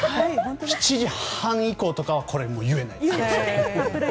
７時半以降とかは言えないです。